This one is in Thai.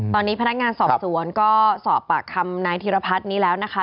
ตอนนี้พนักงานสอบสวนก็สอบปากคำนายธิรพัฒน์นี้แล้วนะคะ